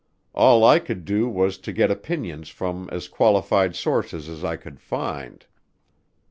All I could do was to get opinions from as qualified sources as I could find.